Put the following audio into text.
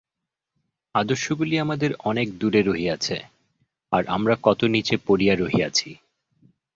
আদর্শগুলি আমাদের অনেক দূরে রহিয়াছে, আর আমরা কত নীচে পড়িয়া রহিয়াছি।